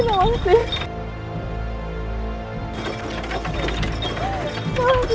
nawangsi jangan mati